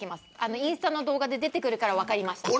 インスタの動画で出てくるから分かりました。